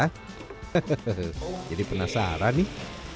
hehehe jadi penasaran nih